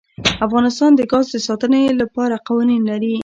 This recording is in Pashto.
افغانستان د ګاز د ساتنې لپاره قوانین لري.